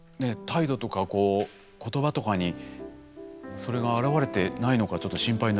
態度とかこう言葉とかにそれが表れてないのかちょっと心配になりますけれども。